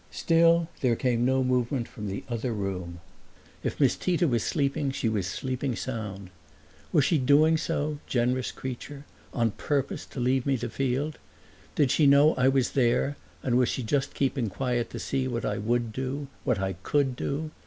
Still there came no movement from the other room. If Miss Tita was sleeping she was sleeping sound. Was she doing so generous creature on purpose to leave me the field? Did she know I was there and was she just keeping quiet to see what I would do what I COULD do?